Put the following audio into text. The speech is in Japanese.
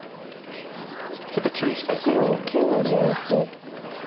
それちょっと注意したいかもしれない黒。